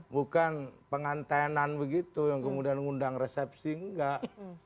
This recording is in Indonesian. bukan pengantenan begitu yang kemudian ngundang resepsi enggak